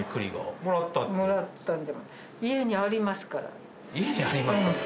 家にありますから？